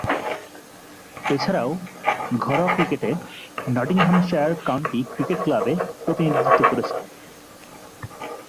এছাড়াও, ঘরোয়া ক্রিকেটে নটিংহ্যামশায়ার কাউন্টি ক্রিকেট ক্লাবে প্রতিনিধিত্ব করছেন।